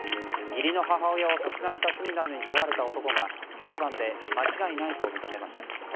義理の母親を殺害した罪などに問われた男が、裁判で間違いないと認めました。